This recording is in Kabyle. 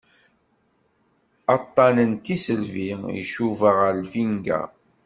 Aṭṭan n tisselbi icuba ɣer lfinga.